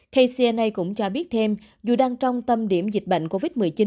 kcna cũng cho biết thêm dù đang trong tâm điểm dịch bệnh covid một mươi chín